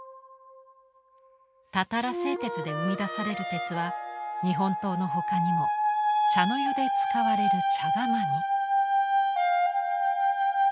たたら製鉄で生み出される鉄は日本刀のほかにも茶の湯で使われる茶釜に。